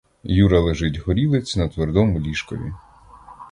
Юра лежить горілиць на твердому ліжкові.